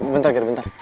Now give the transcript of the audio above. bentar gir bentar